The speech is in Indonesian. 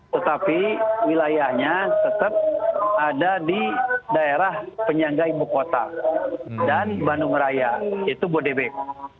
tetapi wilayahnya tetap ada di daerah penyangga ibu kota dan bandung raya yaitu bodebek